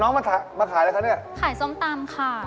มาขายอะไรคะเนี่ยขายส้มตำค่ะ